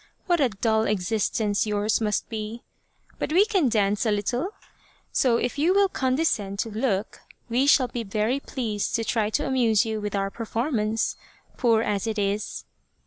What a dull existence yours must be ! But we can dance a little, so if you will condescend to look, we shall be very pleased to try to amuse you with our performance, poor as it is."